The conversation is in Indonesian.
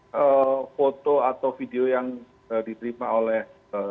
hai foto atau video yang diterima oleh